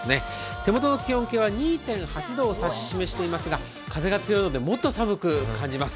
手元の気温計は２．８度を指し示していますが、風が強いのでもっと寒く感じます。